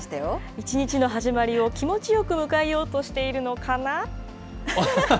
一日の始まりを気持ちよく迎えようとしているのかな。